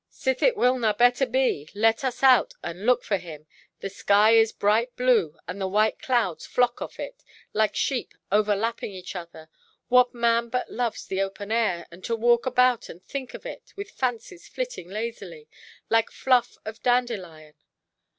Sith it will na better be, let us out and look for him. The sky is bright blue, and the white clouds flock off it, like sheep overlapping each other. What man but loves the open air, and to walk about and think of it, with fancies flitting lazily, like fluff of dandelion?